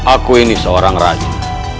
aku ini seorang raja